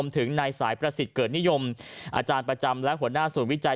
ถึงนายสายประสิทธิ์เกิดนิยมอาจารย์ประจำและหัวหน้าศูนย์วิจัย